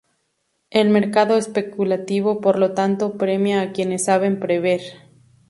El mercado especulativo por tanto premia a quienes saben prever.